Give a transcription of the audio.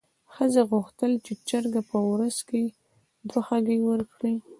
ښځې غوښتل چې چرګه په ورځ کې دوه هګۍ ورکړي.